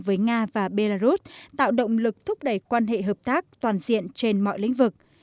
với nga và belarus tạo động lực thúc đẩy quan hệ hợp tác toàn diện trên mọi lĩnh vực